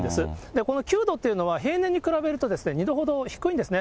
この９度というのは、平年に比べると２度ほど低いんですね。